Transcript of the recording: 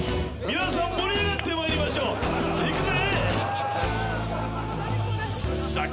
皆さん盛り上がってまいりましょういくぜ！